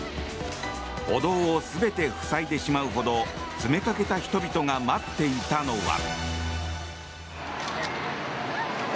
歩道を全て塞いでしまうほど詰めかけた人々が待っていたのは。